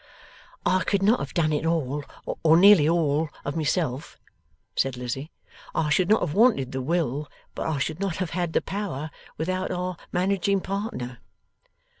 'I could not have done it all, or nearly all, of myself,' said Lizzie. 'I should not have wanted the will; but I should not have had the power, without our managing partner.